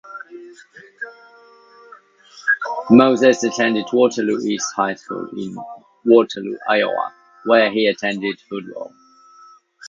Moses attended Waterloo East High School in Waterloo, Iowa where he played football.